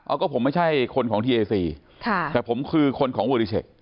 เอาก็ผมไม่ใช่คนของทีเอซีค่ะแต่ผมคือคนของเวอริเชค